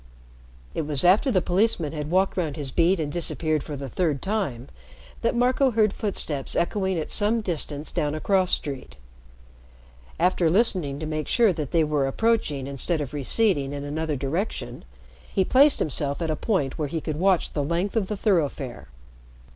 It was after the policeman had walked round his beat and disappeared for the third time, that Marco heard footsteps echoing at some distance down a cross street. After listening to make sure that they were approaching instead of receding in another direction, he placed himself at a point where he could watch the length of the thoroughfare.